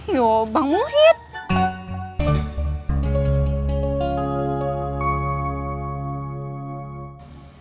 yo bang muhyiddin